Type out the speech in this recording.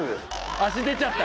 足出ちゃった